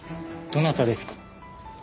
どなたですか？